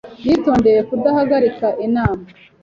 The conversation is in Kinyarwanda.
Yitondeye kudahagarika inama.